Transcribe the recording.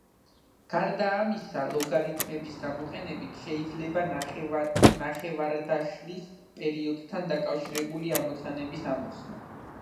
გარდა ამისა, ლოგარითმების გამოყენებით შეიძლება ნახევარდაშლის პერიოდთან დაკავშირებული ამოცანების ამოხსნა.